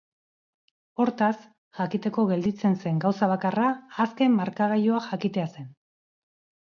Hortaz, jakiteko gelditzen zen gauza bakarra azken markagailua jakitea zen.